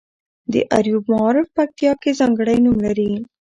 د اریوب معارف پکتیا کې ځانګړی نوم لري.